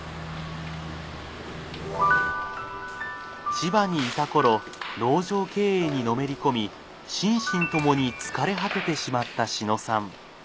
千葉にいた頃農場経営にのめり込み心身ともに疲れ果ててしまった志野さん。